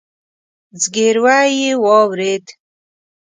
ځګيروی يې واورېد.